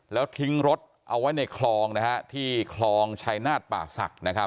แล้วทิ้งรถเอาไว้ในคลองที่คลองชายนาฏป่าศักดิ์